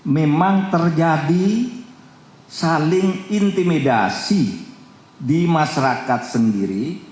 memang terjadi saling intimidasi di masyarakat sendiri